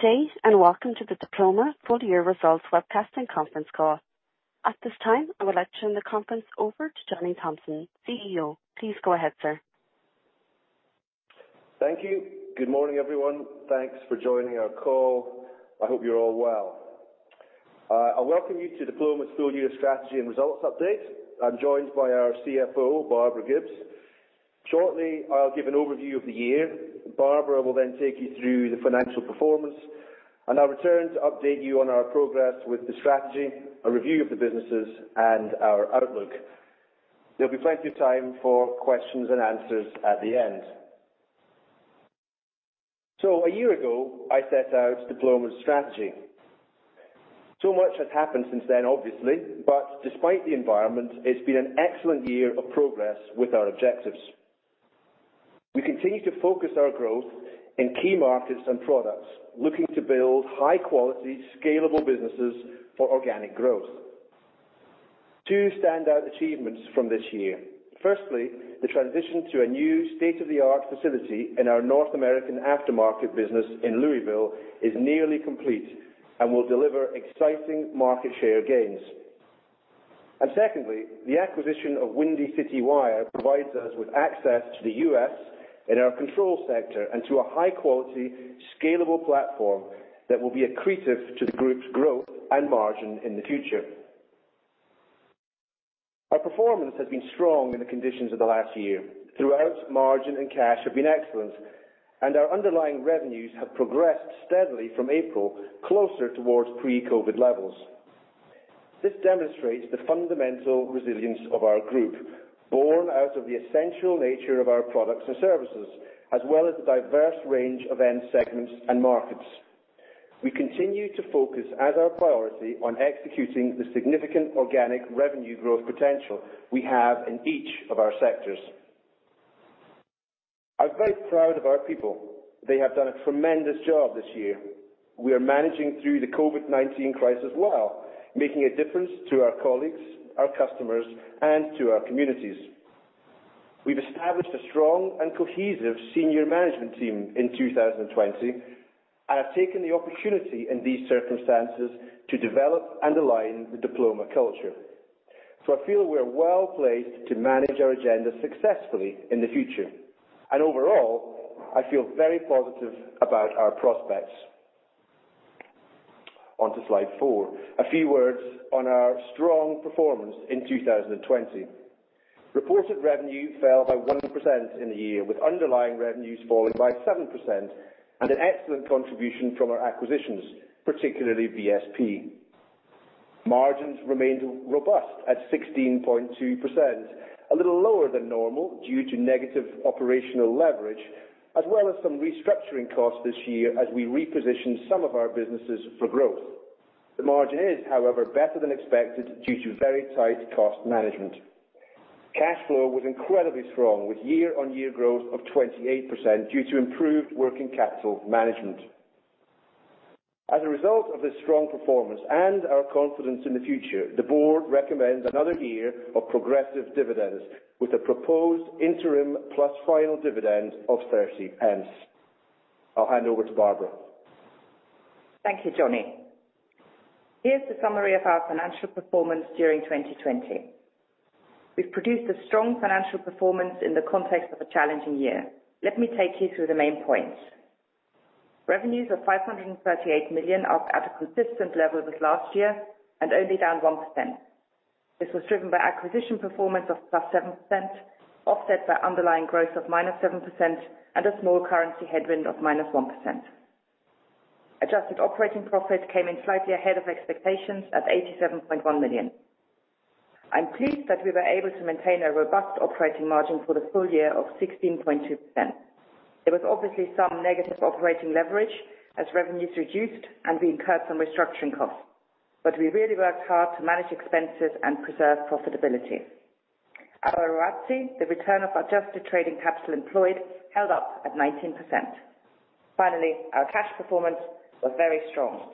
Good day, welcome to the Diploma full year results webcast and conference call. At this time, I would like to turn the conference over to Johnny Thomson, CEO. Please go ahead, sir. Thank you. Good morning, everyone. Thanks for joining our call. I hope you're all well. I welcome you to Diploma's full year strategy and results update. I'm joined by our CFO, Barbara Gibbes. Shortly, I'll give an overview of the year. Barbara will then take you through the financial performance, and I'll return to update you on our progress with the strategy, a review of the businesses, and our outlook. There'll be plenty of time for questions and answers at the end. A year ago, I set out Diploma's strategy. So much has happened since then, obviously. Despite the environment, it's been an excellent year of progress with our objectives. We continue to focus our growth in key markets and products, looking to build high quality, scalable businesses for organic growth. Two standout achievements from this year. Firstly, the transition to a new state-of-the-art facility in our North American aftermarket business in Louisville is nearly complete and will deliver exciting market share gains. Secondly, the acquisition of Windy City Wire provides us with access to the U.S. in our control sector and to a high quality, scalable platform that will be accretive to the group's growth and margin in the future. Our performance has been strong in the conditions of the last year. Throughout, margin and cash have been excellent, and our underlying revenues have progressed steadily from April closer towards pre-COVID levels. This demonstrates the fundamental resilience of our group, born out of the essential nature of our products and services, as well as the diverse range of end segments and markets. We continue to focus as our priority on executing the significant organic revenue growth potential we have in each of our sectors. I'm very proud of our people. They have done a tremendous job this year. We are managing through the COVID-19 crisis while Making a Difference to our colleagues, our customers, and to our communities. We've established a strong and cohesive senior management team in 2020. I have taken the opportunity in these circumstances to develop and align the Diploma culture. I feel we are well-placed to manage our agenda successfully in the future. Overall, I feel very positive about our prospects. On to slide four. A few words on our strong performance in 2020. Reported revenue fell by 1% in the year, with underlying revenues falling by 7% and an excellent contribution from our acquisitions, particularly VSP. Margins remained robust at 16.2%, a little lower than normal due to negative operational leverage, as well as some restructuring costs this year as we reposition some of our businesses for growth. The margin is, however, better than expected due to very tight cost management. Cash flow was incredibly strong, with year-on-year growth of 28% due to improved working capital management. As a result of this strong performance and our confidence in the future, the board recommends another year of progressive dividends with a proposed interim plus final dividend of 0.30. I'll hand over to Barbara. Thank you, Johnny. Here's the summary of our financial performance during 2020. We've produced a strong financial performance in the context of a challenging year. Let me take you through the main points. Revenues of 538 million are at a consistent level with last year and only down 1%. This was driven by acquisition performance of +7%, offset by underlying growth of -7% and a small currency headwind of -1%. Adjusted operating profit came in slightly ahead of expectations at 87.1 million. I'm pleased that we were able to maintain a robust operating margin for the full year of 16.2%. There was obviously some negative operating leverage as revenues reduced, and we incurred some restructuring costs. We really worked hard to manage expenses and preserve profitability. Our ROACE, the return of adjusted trading capital employed, held up at 19%. Finally, our cash performance was very strong.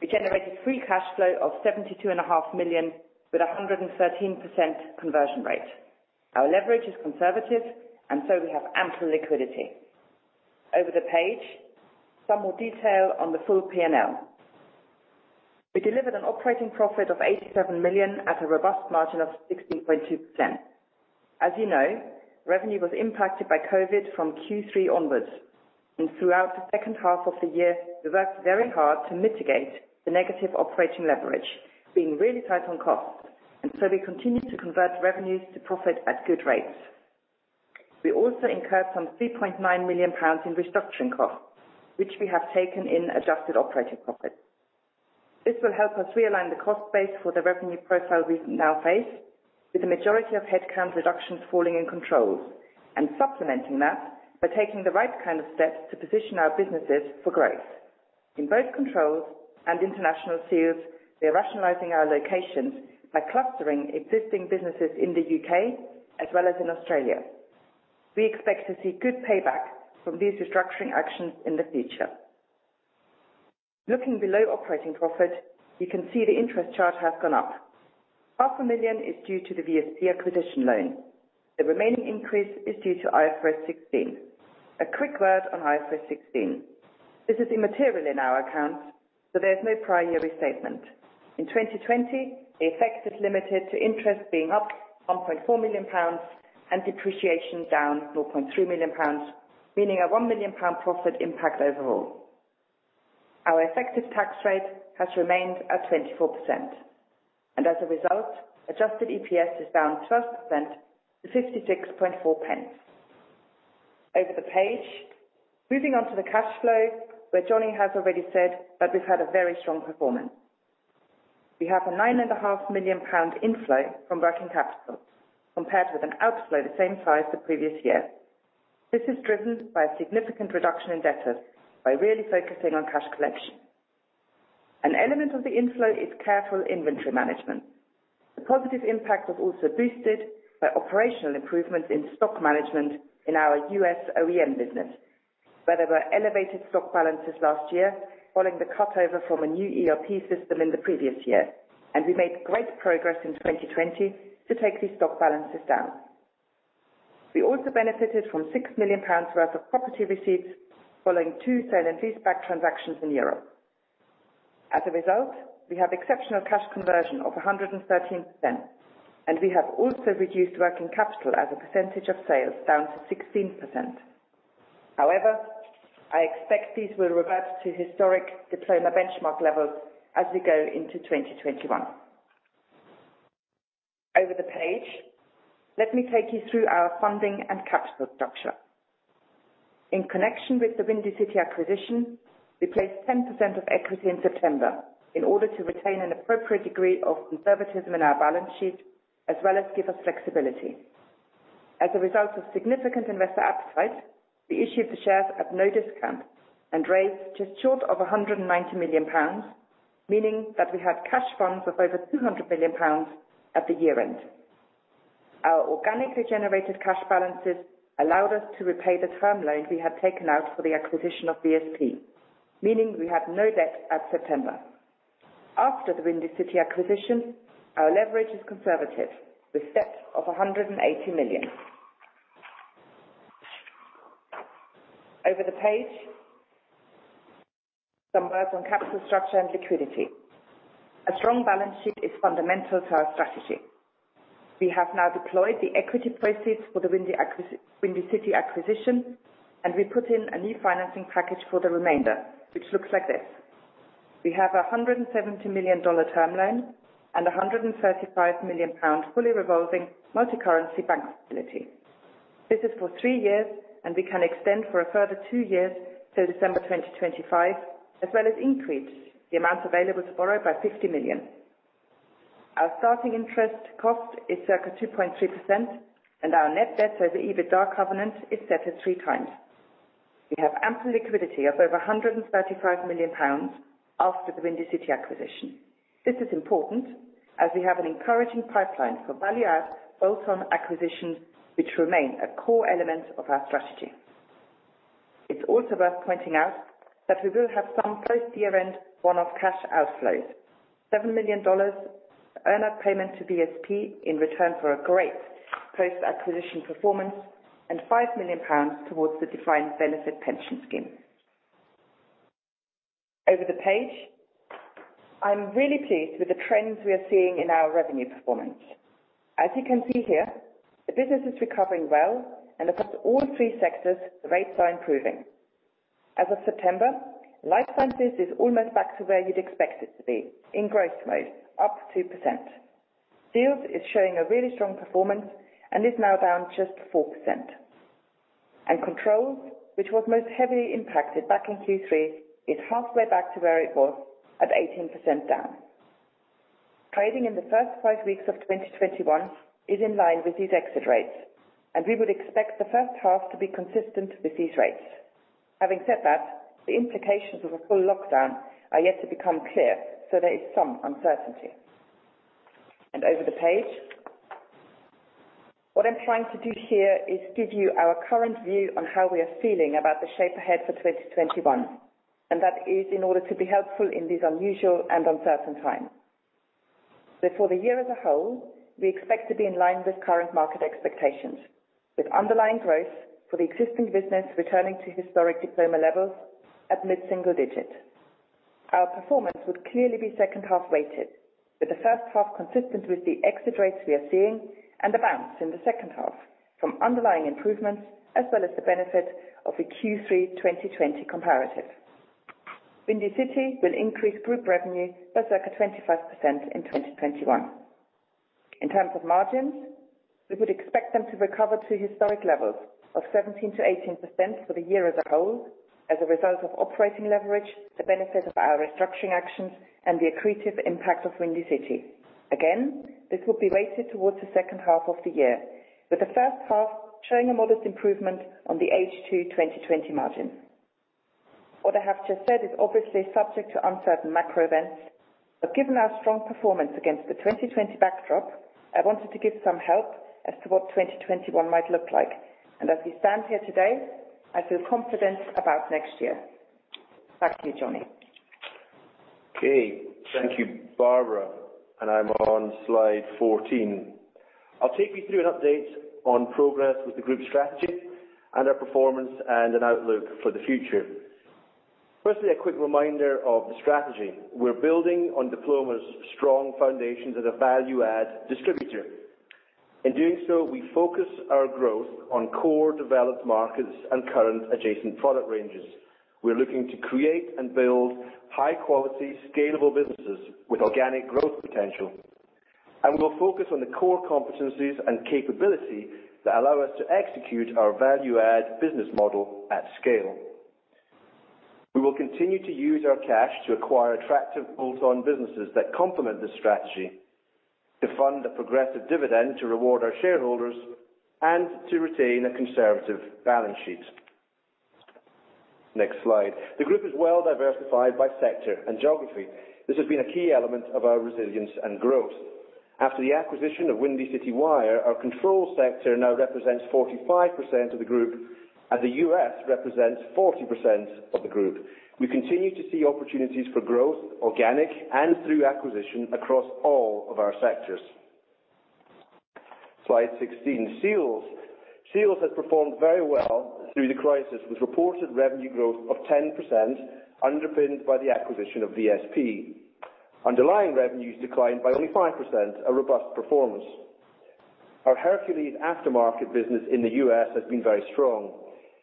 We generated free cash flow of 72.5 million with 113% conversion rate. Our leverage is conservative. We have ample liquidity. Over the page, some more detail on the full P&L. We delivered an operating profit of 87 million at a robust margin of 16.2%. As you know, revenue was impacted by COVID from Q3 onwards. Throughout the second half of the year, we worked very hard to mitigate the negative operating leverage, being really tight on costs. We continued to convert revenues to profit at good rates. We also incurred some 3.9 million pounds in restructuring costs, which we have taken in adjusted operating profit. This will help us realign the cost base for the revenue profile we now face, with the majority of headcount reductions falling in Controls, and supplementing that by taking the right kind of steps to position our businesses for growth. In both Controls and International Seals, we are rationalizing our locations by clustering existing businesses in the U.K. as well as in Australia. We expect to see good payback from these restructuring actions in the future. Looking below operating profit, you can see the interest charge has gone up. 500,000 is due to the VSP acquisition loan. The remaining increase is due to IFRS 16. A quick word on IFRS 16. This is immaterial in our accounts, so there's no prior year restatement. In 2020, the effect is limited to interest being up 1.4 million pounds and depreciation down 0.4 million pounds, meaning a 1 million pound profit impact overall. Our effective tax rate has remained at 24%. As a result, adjusted EPS is down 12% to 0.564. Over the page. Moving on to the cash flow, where Johnny has already said that we've had a very strong performance. We have a 9.5 million pound inflow from working capital compared with an outflow the same size the previous year. This is driven by a significant reduction in debtors by really focusing on cash collection. An element of the inflow is careful inventory management. The positive impact was also boosted by operational improvements in stock management in our U.S. OEM business, where there were elevated stock balances last year following the cut-over from a new ERP system in the previous year, and we made great progress in 2020 to take these stock balances down. We also benefited from 6 million pounds worth of property receipts following two sale and leaseback transactions in Europe. As a result, we have exceptional cash conversion of 113%, and we have also reduced working capital as a percentage of sales down to 16%. However, I expect these will revert to historic Diploma benchmark levels as we go into 2021. Over the page. Let me take you through our funding and capital structure. In connection with the Windy City acquisition, we placed 10% of equity in September in order to retain an appropriate degree of conservatism in our balance sheet, as well as give us flexibility. As a result of significant investor appetite, we issued the shares at no discount and raised just short of 190 million pounds, meaning that we had cash funds of over 200 million pounds at the year-end. Our organically generated cash balances allowed us to repay the term loan we had taken out for the acquisition of VSP, meaning we had no debt at September. After the Windy City acquisition, our leverage is conservative with debt of 180 million. Over the page. Some words on capital structure and liquidity. A strong balance sheet is fundamental to our strategy. We have now deployed the equity proceeds for the Windy City acquisition, and we put in a new financing package for the remainder, which looks like this. We have $170 million term loan and 135 million pound fully revolving multicurrency bank facility. This is for three years, and we can extend for a further two years till December 2025, as well as increase the amount available to borrow by 50 million. Our starting interest cost is circa 2.3%, and our net debt over the EBITDA covenant is set at 3x. We have ample liquidity of over 135 million pounds after the Windy City acquisition. This is important as we have an encouraging pipeline for value add built on acquisitions, which remain a core element of our strategy. It's also worth pointing out that we will have some post-year-end one-off cash outflows. $7 million earn-out payment to VSP in return for a great post-acquisition performance and 5 million pounds towards the defined benefit pension scheme. Over the page. I'm really pleased with the trends we are seeing in our revenue performance. As you can see here, the business is recovering well, and across all three sectors, the rates are improving. As of September, Life Sciences is almost back to where you'd expect it to be in growth mode, up 2%. Seals is showing a really strong performance and is now down just 4%. Control, which was most heavily impacted back in Q3, is halfway back to where it was at 18% down. Trading in the first five weeks of 2021 is in line with these exit rates, and we would expect the first half to be consistent with these rates. Having said that, the implications of a full lockdown are yet to become clear, so there is some uncertainty. Over the page. What I'm trying to do here is give you our current view on how we are feeling about the shape ahead for 2021, and that is in order to be helpful in these unusual and uncertain times. For the year as a whole, we expect to be in line with current market expectations. With underlying growth for the existing business returning to historic Diploma levels at mid-single digit. Our performance would clearly be second half weighted, with the first half consistent with the exit rates we are seeing and a bounce in the second half from underlying improvements as well as the benefit of the Q3 2020 comparative. Windy City will increase group revenue by circa 25% in 2021. In terms of margins, we would expect them to recover to historic levels of 17%-18% for the year as a whole as a result of operating leverage, the benefit of our restructuring actions, and the accretive impact of Windy City. Again, this will be weighted towards the second half of the year, with the first half showing a modest improvement on the H2 2020 margin. What I have just said is obviously subject to uncertain macro events, but given our strong performance against the 2020 backdrop, I wanted to give some help as to what 2021 might look like. As we stand here today, I feel confident about next year. Back to you, Johnny. Okay. Thank you, Barbara. I'm on slide 14. I'll take you through an update on progress with the group strategy and our performance and an outlook for the future. Firstly, a quick reminder of the strategy. We're building on Diploma's strong foundations as a value-add distributor. In doing so, we focus our growth on core developed markets and current adjacent product ranges. We're looking to create and build high quality, scalable businesses with organic growth potential. We'll focus on the core competencies and capability that allow us to execute our value add business model at scale. We will continue to use our cash to acquire attractive bolt-on businesses that complement this strategy, to fund a progressive dividend to reward our shareholders, and to retain a conservative balance sheet. Next slide. The group is well diversified by sector and geography. This has been a key element of our resilience and growth. After the acquisition of Windy City Wire, our control sector now represents 45% of the group, and the U.S. represents 40% of the group. We continue to see opportunities for growth, organic and through acquisition, across all of our sectors. Slide 16. Seals. Seals has performed very well through the crisis, with reported revenue growth of 10%, underpinned by the acquisition of VSP. Underlying revenues declined by only 5%, a robust performance. Our Hercules Aftermarket business in the U.S. has been very strong.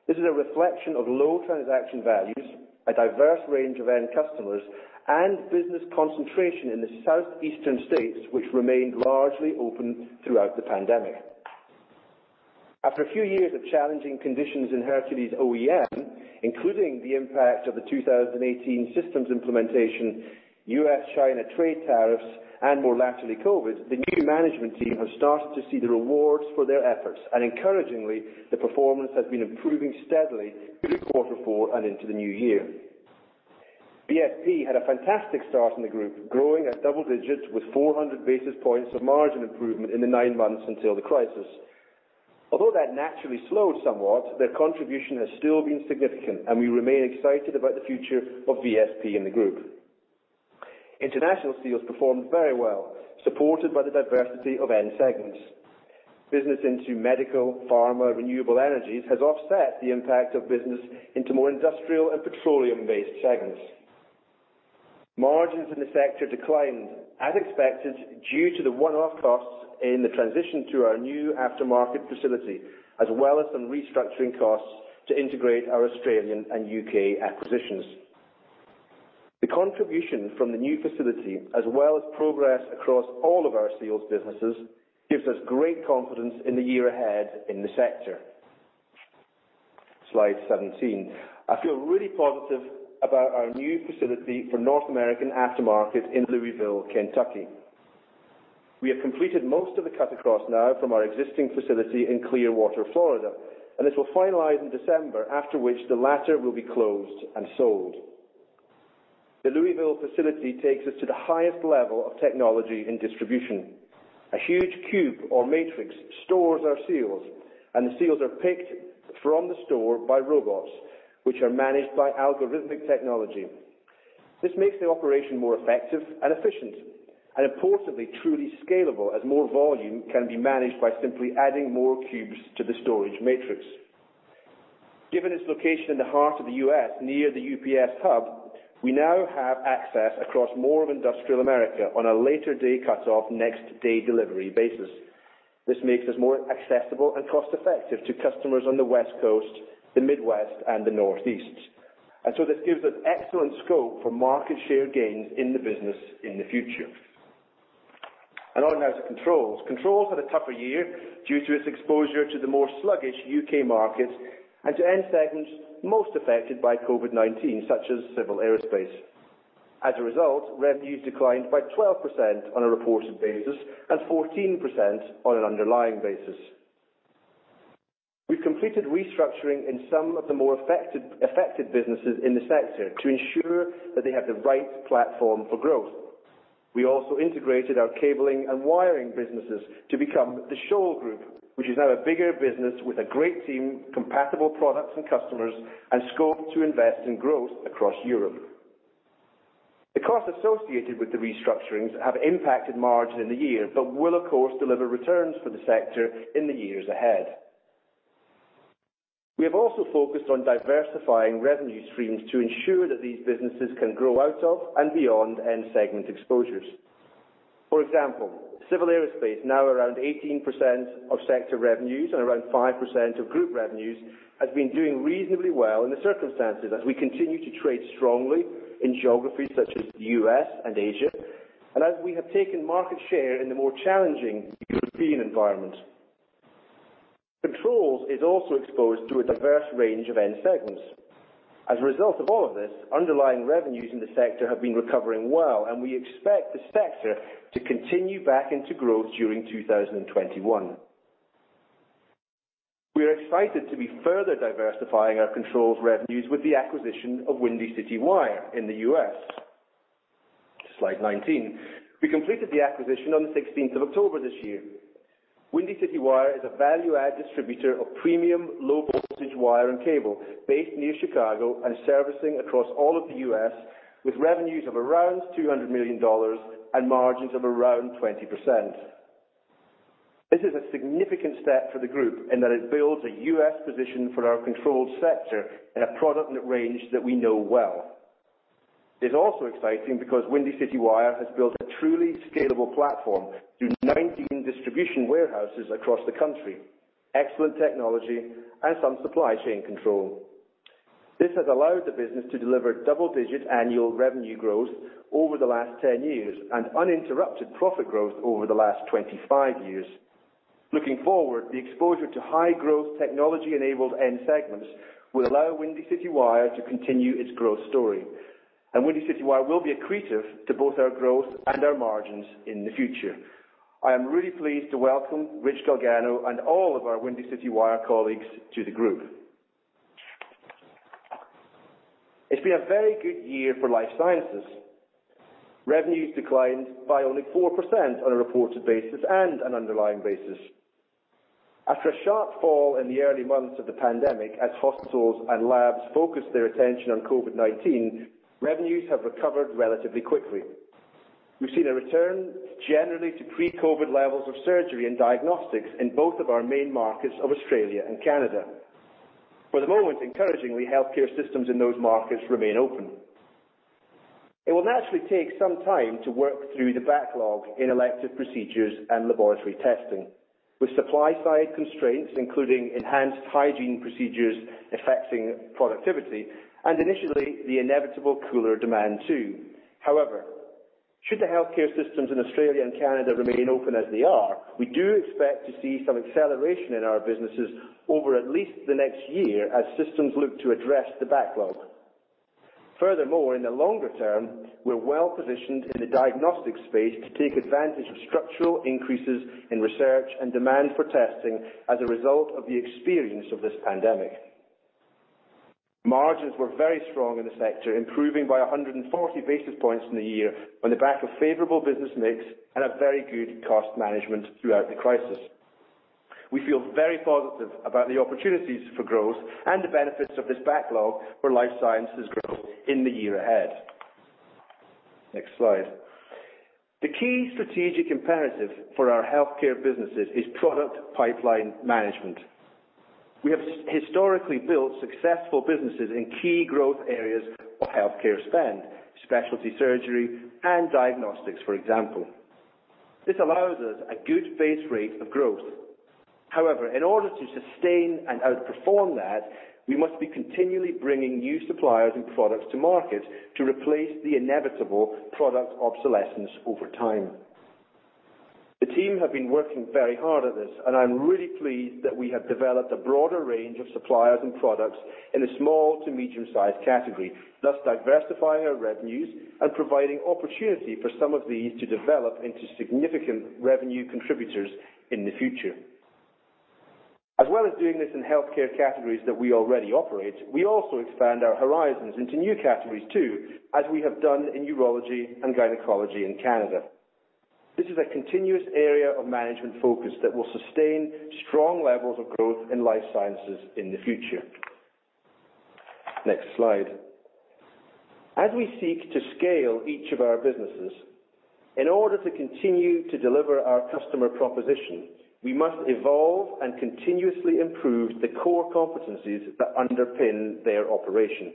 This is a reflection of low transaction values, a diverse range of end customers, and business concentration in the southeastern states, which remained largely open throughout the pandemic. After a few years of challenging conditions in Hercules OEM, including the impact of the 2018 systems implementation, U.S.-China trade tariffs, and more latterly, COVID, the new management team has started to see the rewards for their efforts, and encouragingly, the performance has been improving steadily through quarter four and into the new year. VSP had a fantastic start in the group, growing at double digits with 400 basis points of margin improvement in the nine months until the crisis. Although that naturally slowed somewhat, their contribution has still been significant, and we remain excited about the future of VSP in the group. International Seals performed very well, supported by the diversity of end segments. Business into medical, pharma, renewable energies has offset the impact of business into more industrial and petroleum-based segments. Margins in the sector declined as expected due to the one-off costs in the transition to our new aftermarket facility, as well as some restructuring costs to integrate our Australian and U.K. acquisitions. The contribution from the new facility, as well as progress across all of our Seals businesses, gives us great confidence in the year ahead in the sector. Slide 17. I feel really positive about our new facility for North American aftermarket in Louisville, Kentucky. We have completed most of the cut across now from our existing facility in Clearwater, Florida, and this will finalize in December, after which the latter will be closed and sold. The Louisville facility takes us to the highest level of technology in distribution. A huge cube or matrix stores our Seals, and the Seals are picked from the store by robots, which are managed by algorithmic technology. This makes the operation more effective and efficient, and importantly, truly scalable as more volume can be managed by simply adding more cubes to the storage matrix. Given its location in the heart of the U.S. near the UPS hub, we now have access across more of industrial America on a later day cutoff, next day delivery basis. This makes us more accessible and cost effective to customers on the West Coast, the Midwest, and the Northeast. This gives us excellent scope for market share gains in the business in the future. On now to Controls. Controls had a tougher year due to its exposure to the more sluggish U.K. markets and to end segments most affected by COVID-19, such as civil aerospace. As a result, revenues declined by 12% on a reported basis and 14% on an underlying basis. We've completed restructuring in some of the more affected businesses in the sector to ensure that they have the right platform for growth. We also integrated our cabling and wiring businesses to become the Shoal Group, which is now a bigger business with a great team, compatible products and customers, scope to invest in growth across Europe. The costs associated with the restructurings have impacted margin in the year, will, of course, deliver returns for the sector in the years ahead. We have also focused on diversifying revenue streams to ensure that these businesses can grow out of and beyond end segment exposures. For example, civil aerospace, now 18% of sector revenues and 5% of group revenues, has been doing reasonably well in the circumstances as we continue to trade strongly in geographies such as the U.S. and Asia, and as we have taken market share in the more challenging European environment. Controls is also exposed to a diverse range of end segments. A result of all of this, underlying revenues in the sector have been recovering well, and we expect the sector to continue back into growth during 2021. We are excited to be further diversifying our Controls revenues with the acquisition of Windy City Wire in the U.S. Slide 19. We completed the acquisition on the 16th of October this year. Windy City Wire is a value-add distributor of premium low voltage wire and cable based near Chicago and servicing across all of the U.S., with revenues of around $200 million and margins of around 20%. This is a significant step for the group in that it builds a U.S. position for our controlled sector in a product range that we know well. It's also exciting because Windy City Wire has built a truly scalable platform through 19 distribution warehouses across the country, excellent technology, and some supply chain control. This has allowed the business to deliver double-digit annual revenue growth over the last 10 years and uninterrupted profit growth over the last 25 years. Looking forward, the exposure to high growth technology-enabled end segments will allow Windy City Wire to continue its growth story. Windy City Wire will be accretive to both our growth and our margins in the future. I am really pleased to welcome Rich Galgano and all of our Windy City Wire colleagues to the group. It's been a very good year for Life Sciences. Revenues declined by only 4% on a reported basis and an underlying basis. After a sharp fall in the early months of the pandemic, as hospitals and labs focused their attention on COVID-19, revenues have recovered relatively quickly. We've seen a return generally to pre-COVID levels of surgery and diagnostics in both of our main markets of Australia and Canada. For the moment, encouragingly, healthcare systems in those markets remain open. It will naturally take some time to work through the backlog in elective procedures and laboratory testing. With supply side constraints, including enhanced hygiene procedures affecting productivity and initially, the inevitable cooler demand too. However, should the healthcare systems in Australia and Canada remain open as they are, we do expect to see some acceleration in our businesses over at least the next year as systems look to address the backlog. Furthermore, in the longer term, we are well positioned in the diagnostic space to take advantage of structural increases in research and demand for testing as a result of the experience of this pandemic. Margins were very strong in the sector, improving by 140 basis points in the year on the back of favorable business mix and a very good cost management throughout the crisis. We feel very positive about the opportunities for growth and the benefits of this backlog for Life Sciences growth in the year ahead. Next slide. The key strategic imperative for our healthcare businesses is product pipeline management. We have historically built successful businesses in key growth areas of healthcare spend, specialty surgery and diagnostics, for example. This allows us a good base rate of growth. However, in order to sustain and outperform that, we must be continually bringing new suppliers and products to market to replace the inevitable product obsolescence over time. The team have been working very hard at this, and I'm really pleased that we have developed a broader range of suppliers and products in the small to medium-sized category, thus diversifying our revenues and providing opportunity for some of these to develop into significant revenue contributors in the future. As well as doing this in healthcare categories that we already operate, we also expand our horizons into new categories too, as we have done in urology and gynecology in Canada. This is a continuous area of management focus that will sustain strong levels of growth in Life Sciences in the future. Next slide. As we seek to scale each of our businesses, in order to continue to deliver our customer proposition, we must evolve and continuously improve the core competencies that underpin their operation.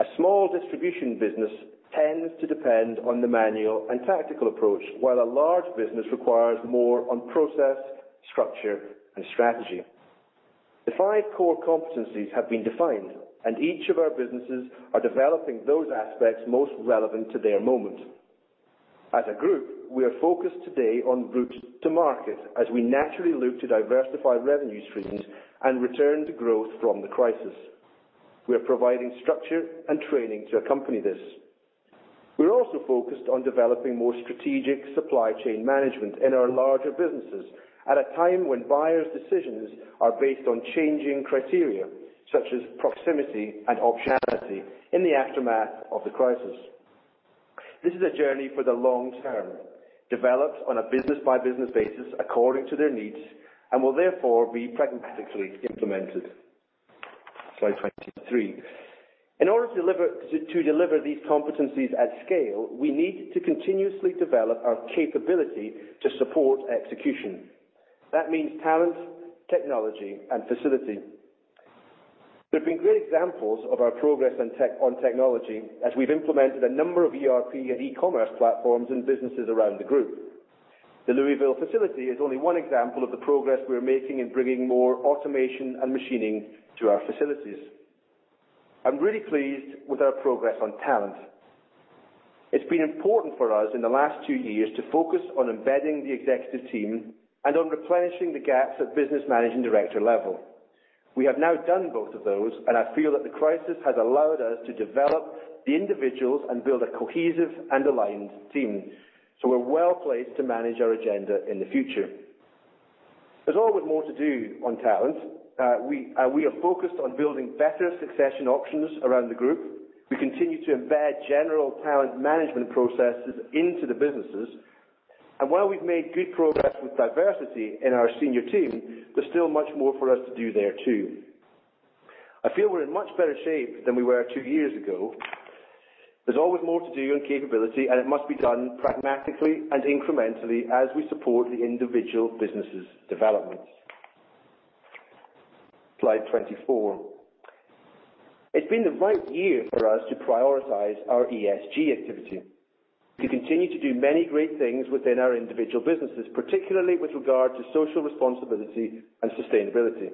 A small distribution business tends to depend on the manual and tactical approach, while a large business requires more on process, structure, and strategy. Five core competencies have been defined, and each of our businesses are developing those aspects most relevant to their moment. As a group, we are focused today on routes to market as we naturally look to diversify revenue streams and return to growth from the crisis. We are providing structure and training to accompany this. We are also focused on developing more strategic supply chain management in our larger businesses at a time when buyers' decisions are based on changing criteria such as proximity and optionality in the aftermath of the crisis. This is a journey for the long term, developed on a business-by-business basis according to their needs and will therefore be pragmatically implemented. Slide 23. In order to deliver these competencies at scale, we need to continuously develop our capability to support execution. That means talent, technology, and facility. There have been great examples of our progress on technology as we've implemented a number of ERP and e-commerce platforms in businesses around the group. The Louisville facility is only one example of the progress we are making in bringing more automation and machining to our facilities. I'm really pleased with our progress on talent. It's been important for us in the last two years to focus on embedding the executive team and on replenishing the gaps at business managing director level. We have now done both of those, and I feel that the crisis has allowed us to develop the individuals and build a cohesive and aligned team. We're well placed to manage our agenda in the future. There's always more to do on talent. We are focused on building better succession options around the group. We continue to embed general talent management processes into the businesses. While we've made good progress with diversity in our senior team, there's still much more for us to do there, too. I feel we're in much better shape than we were two years ago. There's always more to do on capability, and it must be done pragmatically and incrementally as we support the individual businesses' developments. Slide 24. It's been the right year for us to prioritize our ESG activity. We continue to do many great things within our individual businesses, particularly with regard to social responsibility and sustainability.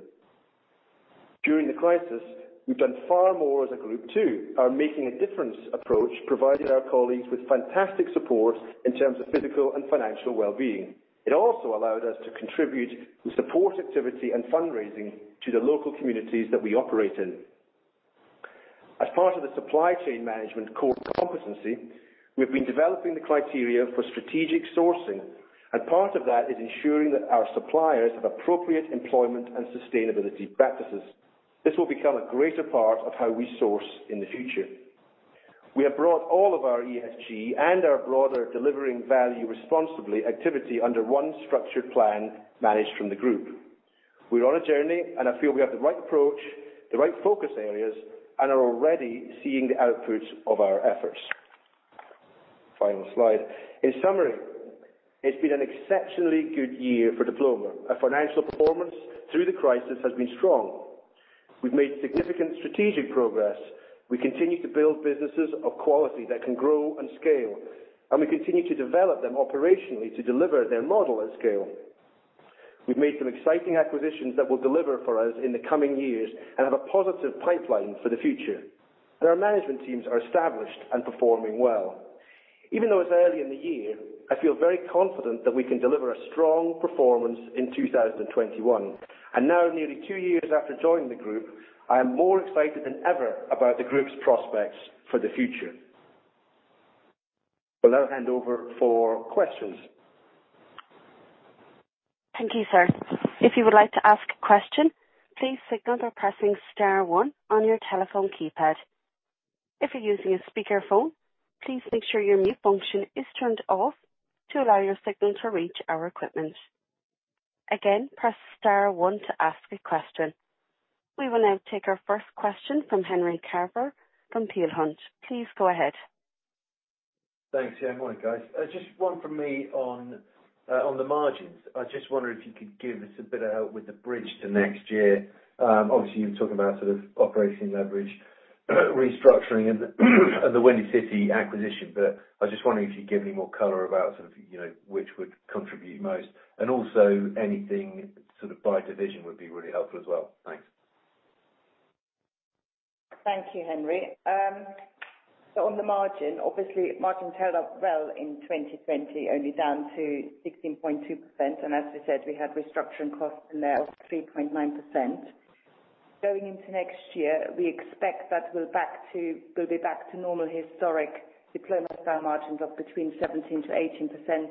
During the crisis, we've done far more as a group too. Our Making a Difference approach provided our colleagues with fantastic support in terms of physical and financial well-being. It also allowed us to contribute to support activity and fundraising to the local communities that we operate in. As part of the supply chain management core competency, we've been developing the criteria for strategic sourcing, and part of that is ensuring that our suppliers have appropriate employment and sustainability practices. This will become a greater part of how we source in the future. We have brought all of our ESG and our broader Delivering Value Responsibly activity under one structured plan managed from the group. We're on a journey, and I feel we have the right approach, the right focus areas, and are already seeing the outputs of our efforts. Final slide. In summary, it's been an exceptionally good year for Diploma. Our financial performance through the crisis has been strong. We've made significant strategic progress. We continue to build businesses of quality that can grow and scale, and we continue to develop them operationally to deliver their model at scale. We've made some exciting acquisitions that will deliver for us in the coming years and have a positive pipeline for the future. Our management teams are established and performing well. Even though it's early in the year, I feel very confident that we can deliver a strong performance in 2021. Now, nearly two years after joining the group, I am more excited than ever about the group's prospects for the future. Will now hand over for questions. Thank you, sir. If you would like to ask a question, please signal by pressing star one on your telephone keypad. If you're using a speakerphone, please make sure your mute function is turned off to allow your signal to reach our equipment. Again, press star one to ask a question. We will now take our first question from Henry Carver from Peel Hunt. Please go ahead. Thanks. Yeah. Morning, guys. Just one from me on the margins. I just wonder if you could give us a bit of help with the bridge to next year. Obviously, you're talking about sort of operating leverage, restructuring and the Windy City acquisition. I was just wondering if you'd give me more color about sort of which would contribute most, and also anything sort of by division would be really helpful as well. Thanks. Thank you, Henry. On the margin, obviously margins held up well in 2020, only down to 16.2%. As we said, we had restructuring costs in there of 3.9%. Going into next year, we expect that we'll be back to normal historic Diploma style margins of between 17%-18%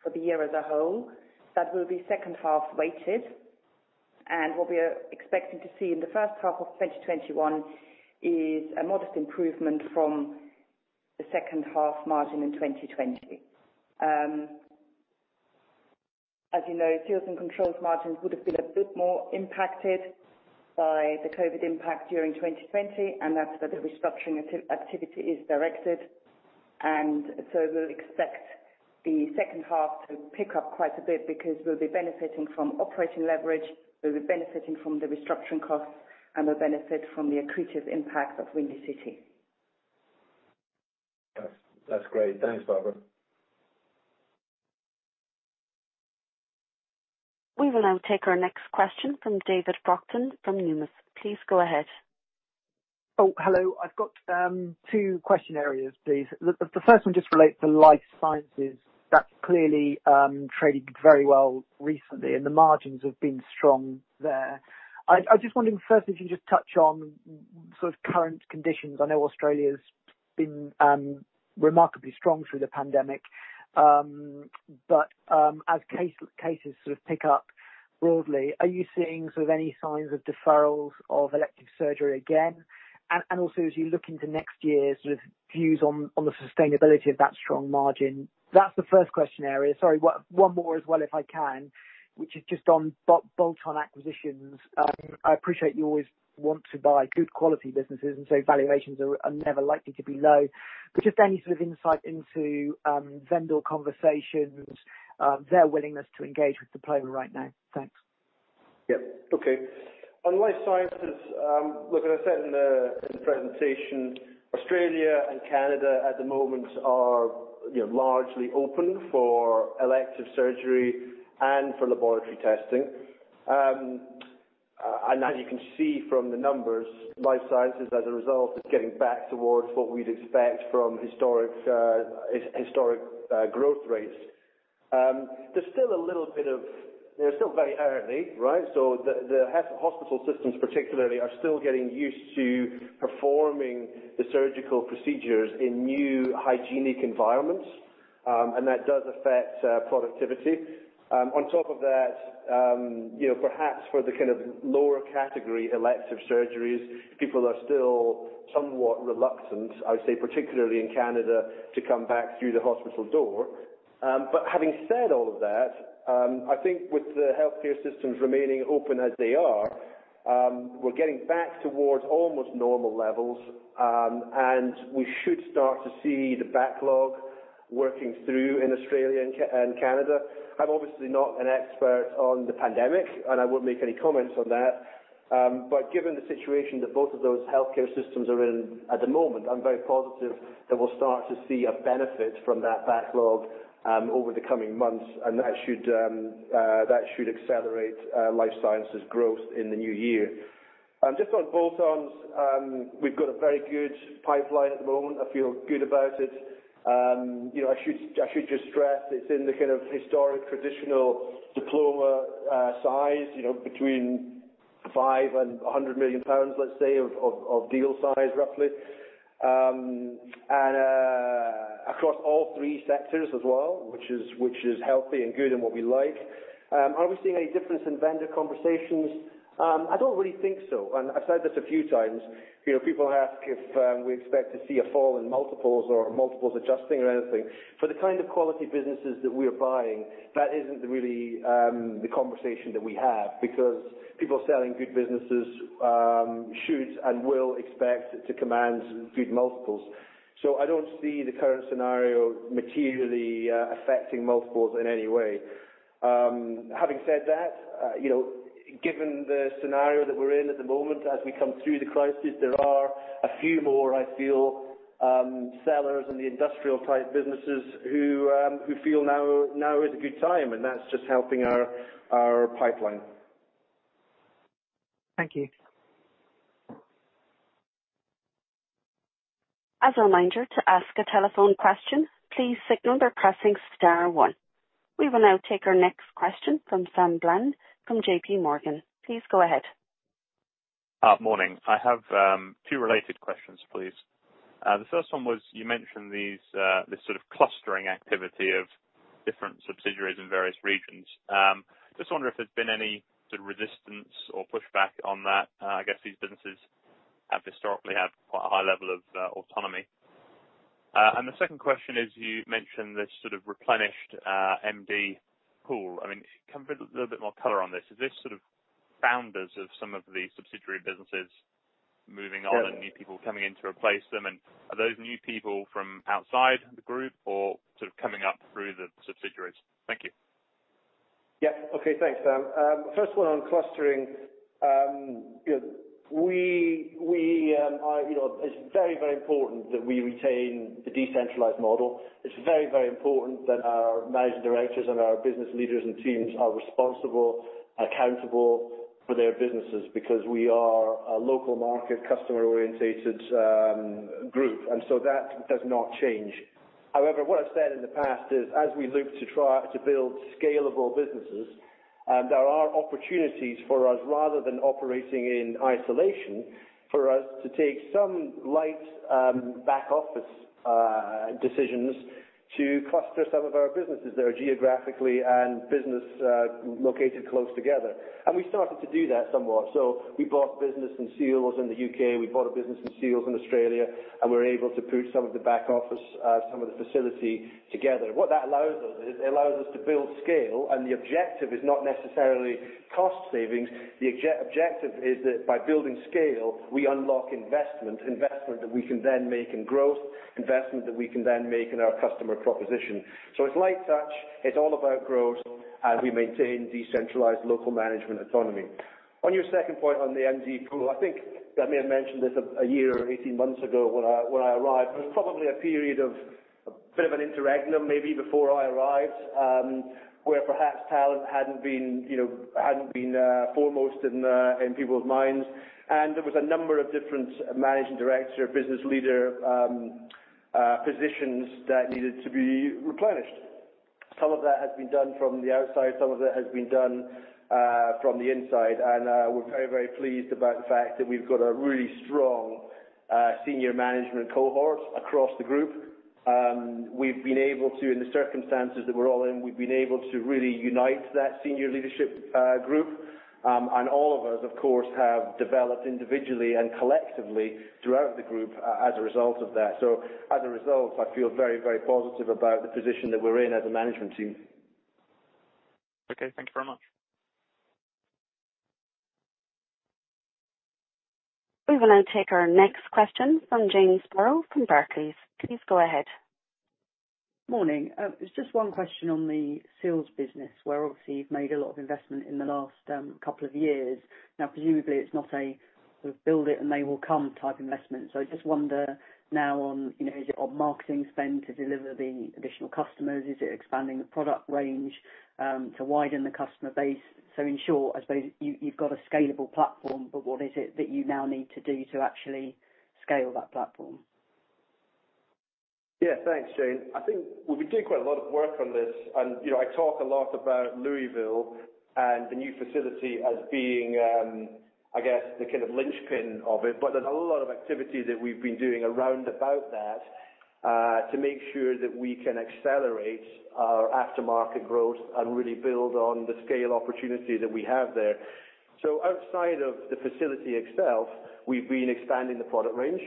for the year as a whole. That will be second half weighted. What we are expecting to see in the first half of 2021 is a modest improvement from the second half margin in 2020. As you know, Seals and Controls margins would have been a bit more impacted by the COVID impact during 2020, and that's where the restructuring activity is directed. We'll expect the second half to pick up quite a bit because we'll be benefiting from operating leverage, we'll be benefiting from the restructuring costs, and we'll benefit from the accretive impact of Windy City. That's great. Thanks, Barbara. We will now take our next question from David Brockton from Numis. Please go ahead. Oh, hello. I've got two question areas, please. The first one just relates to Life Sciences. That clearly traded very well recently, and the margins have been strong there. I'm just wondering, first, if you just touch on sort of current conditions. I know Australia's been remarkably strong through the pandemic. As cases sort of pick up broadly, are you seeing sort of any signs of deferrals of elective surgery again? Also as you look into next year, sort of views on the sustainability of that strong margin. That's the first question area. Sorry, one more as well if I can, which is just on bolt-on acquisitions. I appreciate you always want to buy good quality businesses, valuations are never likely to be low. Just any sort of insight into vendor conversations, their willingness to engage with Diploma right now. Thanks. Yep. Okay. On Life Sciences, look, as I said in the presentation, Australia and Canada at the moment are largely open for elective surgery and for laboratory testing. As you can see from the numbers, Life Sciences as a result is getting back towards what we'd expect from historic growth rates. They're still very early, right? The hospital systems particularly are still getting used to performing the surgical procedures in new hygienic environments, and that does affect productivity. On top of that, perhaps for the kind of lower category elective surgeries, people are still somewhat reluctant, I would say, particularly in Canada, to come back through the hospital door. Having said all of that, I think with the healthcare systems remaining open as they are, we're getting back towards almost normal levels. We should start to see the backlog working through in Australia and Canada. I'm obviously not an expert on the pandemic, and I won't make any comments on that. Given the situation that both of those healthcare systems are in at the moment, I'm very positive that we'll start to see a benefit from that backlog over the coming months. That should accelerate Life Sciences growth in the new year. Just on bolt-ons, we've got a very good pipeline at the moment. I feel good about it. I should just stress it's in the kind of historic, traditional Diploma size, between 5 million and 100 million pounds, let's say, of deal size, roughly. Across all three sectors as well, which is healthy and good and what we like. Are we seeing any difference in vendor conversations? I don't really think so. I've said this a few times. People ask if we expect to see a fall in multiples or multiples adjusting or anything. For the kind of quality businesses that we are buying, that isn't really the conversation that we have because people selling good businesses should and will expect to command good multiples. I don't see the current scenario materially affecting multiples in any way. Having said that, given the scenario that we're in at the moment, as we come through the crisis, there are a few more, I feel, sellers in the industrial type businesses who feel now is a good time, and that's just helping our pipeline. Thank you. As a reminder, to ask a telephone question, please signal by pressing star one. We will now take our next question from Sam Bland from JPMorgan. Please go ahead. Morning. I have two related questions, please. The first one was, you mentioned this sort of clustering activity of different subsidiaries in various regions. I just wonder if there's been any sort of resistance or pushback on that. I guess these businesses have historically had quite a high level of autonomy. The second question is, you mentioned this sort of replenished MD pool. Can we put a little bit more color on this. Is this sort of founders of some of the subsidiary businesses moving on and new people coming in to replace them? Are those new people from outside the group or sort of coming up through the subsidiaries? Thank you. Yeah. Okay. Thanks, Sam. First one on clustering. It's very, very important that we retain the decentralized model. It's very, very important that our managing directors and our business leaders and teams are responsible, accountable for their businesses, because we are a local market, customer orientated group. That does not change. However, what I've said in the past is as we look to try to build scalable businesses, there are opportunities for us, rather than operating in isolation, for us to take some light back office decisions to cluster some of our businesses that are geographically and business located close together. We started to do that somewhat. We bought a business in Seals in the U.K., we bought a business in Seals in Australia, and we were able to put some of the back office, some of the facility together. What that allows us is it allows us to build scale, and the objective is not necessarily cost savings. The objective is that by building scale, we unlock investment. Investment that we can then make in growth, investment that we can then make in our customer proposition. It's like such. It's all about growth as we maintain decentralized local management autonomy. On your second point on the MD pool, I think I may have mentioned this one year or 18 months ago when I arrived. There was probably a period of a bit of an interregnum, maybe before I arrived, where perhaps talent hadn't been foremost in people's minds. There was a number of different managing director, business leader positions that needed to be replenished. Some of that has been done from the outside, some of that has been done from the inside. We're very, very pleased about the fact that we've got a really strong senior management cohort across the group. We've been able to, in the circumstances that we're all in, we've been able to really unite that senior leadership group. All of us, of course, have developed individually and collectively throughout the group as a result of that. As a result, I feel very, very positive about the position that we're in as a management team. Okay. Thank you very much. We will now take our next question from Jane Sparrow from Barclays. Please go ahead. Morning. It is just one question on the Seals business, where obviously you've made a lot of investment in the last couple of years. Presumably it's not a sort of build it and they will come type investment. I just wonder now on, is it on marketing spend to deliver the additional customers? Is it expanding the product range to widen the customer base? In short, I suppose you've got a scalable platform, what is it that you now need to do to actually scale that platform? Thanks, Jane. I think we've been doing quite a lot of work on this, and I talk a lot about Louisville and the new facility as being, I guess, the kind of linchpin of it. There's a whole lot of activity that we've been doing around about that to make sure that we can accelerate our aftermarket growth and really build on the scale opportunity that we have there. Outside of the facility itself, we've been expanding the product range.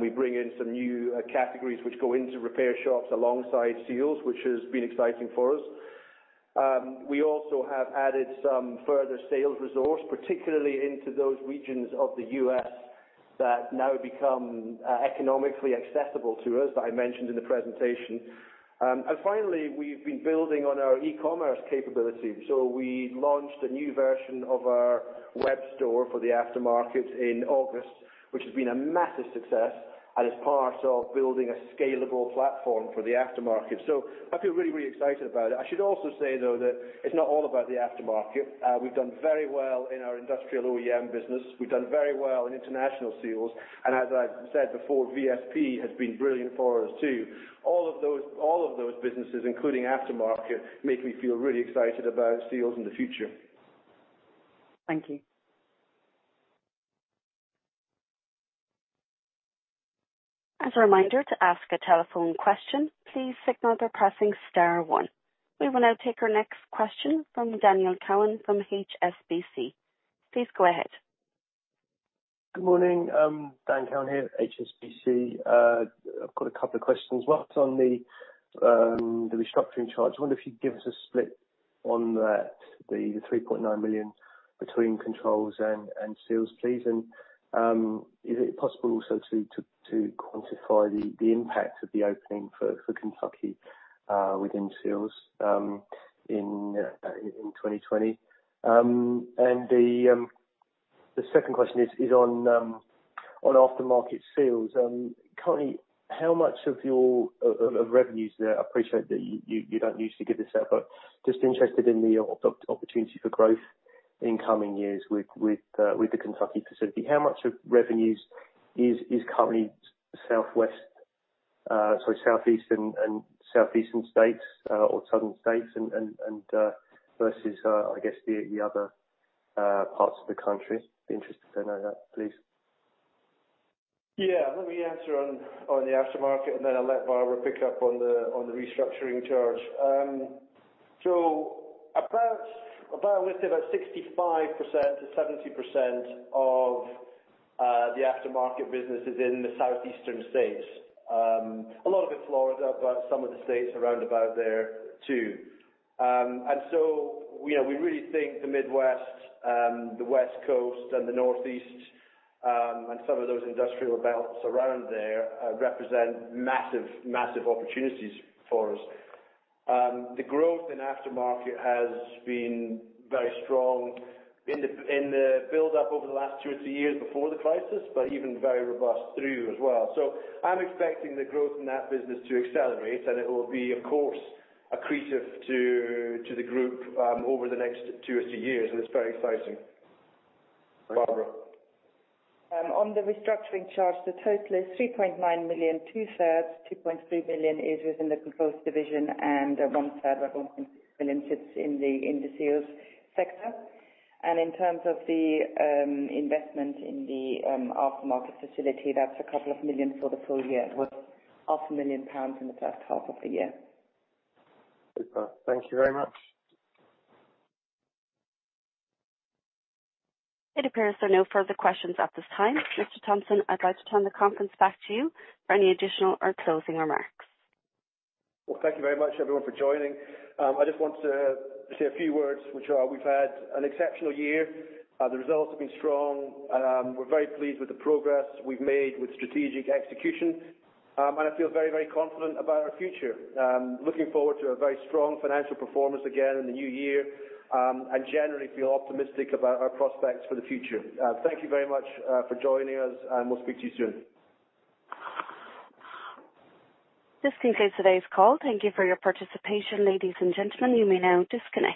We bring in some new categories which go into repair shops alongside Seals, which has been exciting for us. We also have added some further sales resource, particularly into those regions of the U.S. that now become economically accessible to us that I mentioned in the presentation. Finally, we've been building on our e-commerce capability. We launched a new version of our web store for the aftermarket in August, which has been a massive success and is part of building a scalable platform for the aftermarket. I feel really excited about it. I should also say, though, that it's not all about the aftermarket. We've done very well in our industrial OEM business. We've done very well in International Seals, and as I said before, VSP has been brilliant for us too. All of those businesses, including aftermarket, make me feel really excited about Seals in the future. Thank you. As a reminder, to ask a telephone question, please signal by pressing star one. We will now take our next question from Daniel Cowan from HSBC. Please go ahead. Good morning. Dan Cowan here, HSBC. I've got a couple of questions. One's on the restructuring charge. I wonder if you'd give us a split on that, the 3.9 million between Controls and Seals, please. Is it possible also to quantify the impact of the opening for Kentucky within Seals in 2020? The second question is on aftermarket Seals. Currently, how much of revenues there, I appreciate that you don't usually give this out, but just interested in the opportunity for growth in coming years with the Kentucky facility. How much of revenues is currently southeastern states or southern states and versus, I guess, the other parts of the country? Interested to know that, please. Yeah. Let me answer on the aftermarket, I'll let Barbara pick up on the restructuring charge. About, I would say, about 65%-70% of the aftermarket business is in the southeastern states. A lot of it's Florida, some of the states around about there too. We really think the Midwest, the West Coast, and the Northeast, and some of those industrial belts around there represent massive opportunities for us. The growth in aftermarket has been very strong in the build-up over the last two or three years before the crisis, but even very robust through as well. I'm expecting the growth in that business to accelerate, and it will be, of course, accretive to the group over the next two or three years, and it's very exciting. Barbara. On the restructuring charge, the total is 3.9 million, 2/3, 2.3 million is within the Controls division, and 1/3 or 1.3 million sits in the Seals sector. In terms of the investment in the aftermarket facility, that's a couple of million for the full year. It was 500,000 pounds in the first half of the year. Super. Thank you very much. It appears there are no further questions at this time. Mr. Thomson, I'd like to turn the conference back to you for any additional or closing remarks. Well, thank you very much, everyone, for joining. I just want to say a few words, which are we've had an exceptional year. The results have been strong. We're very pleased with the progress we've made with strategic execution. I feel very confident about our future. Looking forward to a very strong financial performance again in the new year, and generally feel optimistic about our prospects for the future. Thank you very much for joining us, and we'll speak to you soon. This concludes today's call. Thank you for your participation, ladies and gentlemen. You may now disconnect.